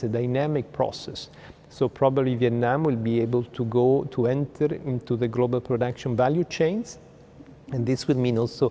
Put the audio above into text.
đang trở nên mạnh hơn và mạnh hơn